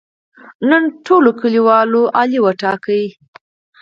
نن ټولو کلیوالو علي وټاکه.